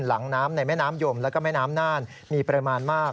หลังน้ำในแม่น้ำยมแล้วก็แม่น้ำน่านมีปริมาณมาก